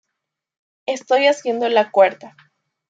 Estoy haciendo la cuarta.